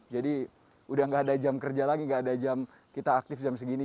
jadi udah gak ada jam kerja lagi gak ada jam kita aktif jam segini